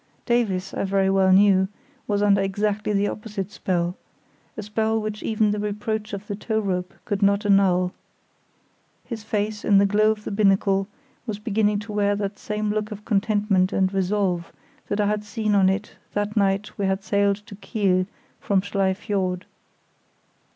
Davies, I very well knew, was under exactly the opposite spell—a spell which even the reproach of the tow rope could not annul. His face, in the glow of the binnacle, was beginning to wear that same look of contentment and resolve that I had seen on it that night we had sailed to Kiel from Schlei Fiord.